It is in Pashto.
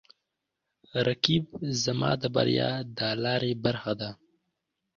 رقیب زما د بریا د لارې برخه ده